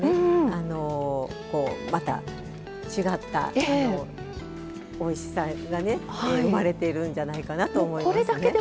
あのこうまた違ったおいしさがね生まれてるんじゃないかなと思いますね。